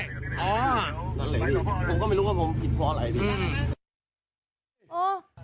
นั่นแหละดีผมก็ไม่รู้ว่าผมผิดเพราะอะไรดี